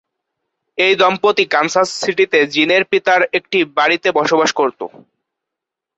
এই দম্পতি কানসাস সিটিতে জিনের পিতার একটি বাড়িতে বসবাস করত।